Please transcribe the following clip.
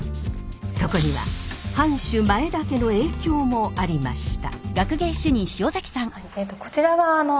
そこには藩主前田家の影響もありました。